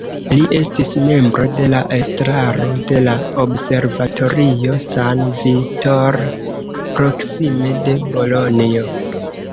Li estis membro de la estraro de la Observatorio San Vittore proksime de Bolonjo.